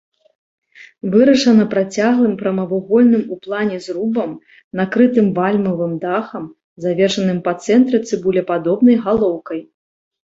Вырашана працяглым прамавугольным у плане зрубам, накрытым вальмавым дахам, завершаным па цэнтры цыбулепадобнай галоўкай.